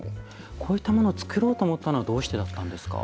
こういったものを作ろうと思ったのはどうしてだったんですか？